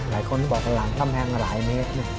หลายคนบอกทางหลังกำแพงหลายเมตร